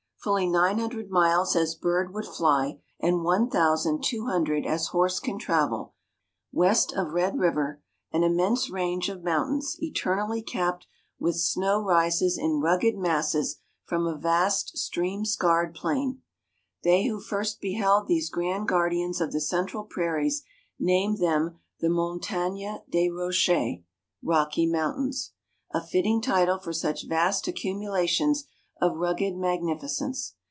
Fully nine hundred miles as bird would fly, and one thousand two hundred as horse can travel, west of Red River, an immense range of mountains eternally capped with snow rises in rugged masses from a vast stream scarred plain. They who first beheld these grand guardians of the central prairies named them the Montagnes des Rochers (Rocky Mountains), a fitting title for such vast accumulations of rugged magnificence.